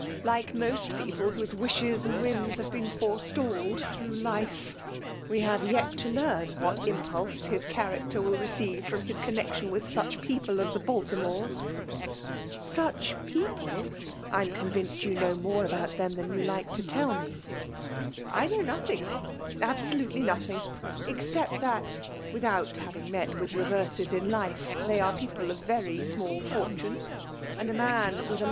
like most people whose wishes and whimi have been forestalled through life. We have yet to learn what impulse his character will ^ receive from his connexion with such people as the Baltimores." Sndi people ! I am convinced you know more about them than you like to tell me. * I bmw nothing — absolutely nothing; ex cept that (withont having met with Teverses in life), they arc people of very small fortune; and a man with a.